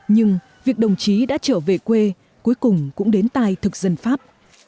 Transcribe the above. nhưng việc đồng chí đã trở về quê cuối cùng cũng đến tay thực dân pháp